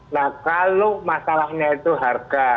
nah kalau masalahnya itu harga